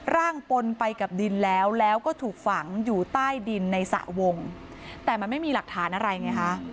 ปนไปกับดินแล้วแล้วก็ถูกฝังอยู่ใต้ดินในสระวงแต่มันไม่มีหลักฐานอะไรไงคะ